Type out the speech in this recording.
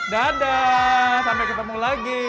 dadah sampai ketemu lagi